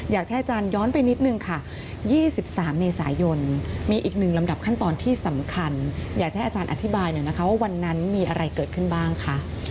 อยากให้อาจารย้อนไปนิดนึงค่ะ๒๓เมษายนมีอีกหนึ่งลำดับขั้นตอนที่สำคัญอยากจะให้อาจารย์อธิบายหน่อยนะคะว่าวันนั้นมีอะไรเกิดขึ้นบ้างคะ